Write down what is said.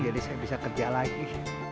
jadi saya bisa kerja lagi